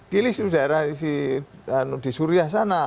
kilis itu daerah di suriah sana